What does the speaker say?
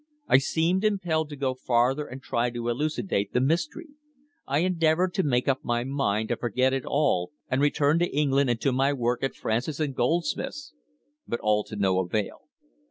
I seemed impelled to go farther and try to elucidate the mystery. I endeavoured to make up my mind to forget it all and return to England and to my work at Francis and Goldsmith's but all to no avail.